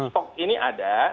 stok ini ada